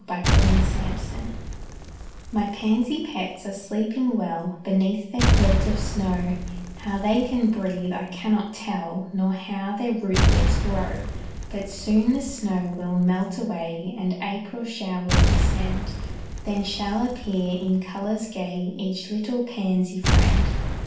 _ MY PANSY PETS My pansy pets are sleeping well Beneath their quilt of snow; How they can breathe I cannot tell, Nor how their rootlets grow; But soon the snow will melt away And April showers descend; Then shall appear in colors gay Each little pansy friend.